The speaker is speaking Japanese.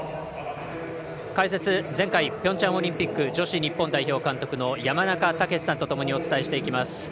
解説、前回ピョンチャンオリンピック女子日本代表監督の山中武司さんとともにお伝えしていきます。